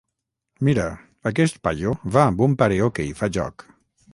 Mira, aquest paio va amb un pareo que hi fa joc.